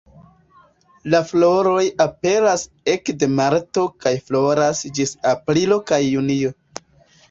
La floroj aperas ekde marto kaj floras ĝis aprilo kaj junio.